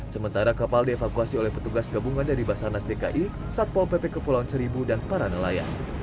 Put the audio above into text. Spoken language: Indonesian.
sementara kapal dievakuasi oleh petugas gabungan dari basarnas dki satpol pp kepulauan seribu dan para nelayan